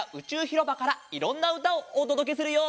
ひろばからいろんなうたをおとどけするよ！